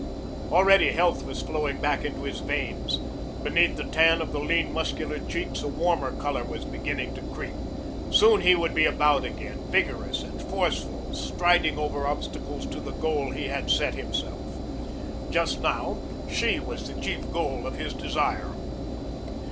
Already health was flowing back into his veins. Beneath the tan of the lean, muscular cheeks a warmer color was beginning to creep. Soon he would be about again, vigorous and forceful, striding over obstacles to the goal he had set himself. Just now she was the chief goal of his desire.